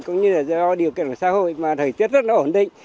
cũng như là do điều kiện của xã hội mà thời tiết rất là ổn định